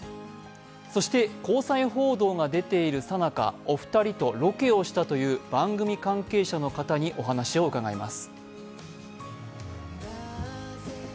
そして交際報道が出ているさなか、お二人とロケをしたという番組関係者の方にお話を伺います。